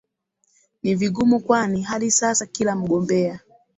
ni vigumu kwani hadi sasa kila mgombea